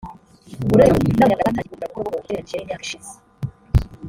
uretse ko n’Abanyarwanda batangiye kubigura buhoro buhoro ugereranyije n’imyaka ishize